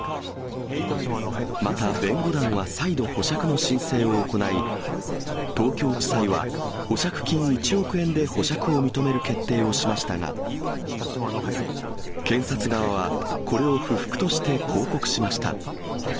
また、弁護団は再度保釈の申請を行い、東京地裁は保釈金１億円で保釈を認める決定をしましたが、検察側は、これを不服として抗告しました。